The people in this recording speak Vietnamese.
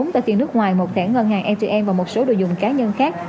bốn tại tiền nước ngoài một thẻ ngân hàng atm và một số đồ dùng cá nhân khác